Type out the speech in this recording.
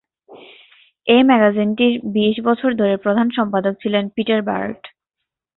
এই ম্যাগাজিনটির বিশ বছর ধরে প্রধান সম্পাদক ছিলেন পিটার বার্ট।